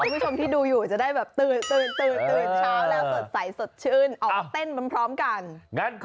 ผู้ชมที่ดูอยู่จะได้แบบตื่น